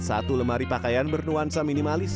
satu lemari pakaian bernuansa minimalis